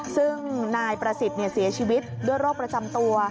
ซึ่งนายประสิทธิ์เสียชีวิตด้วยโรคประจำตัว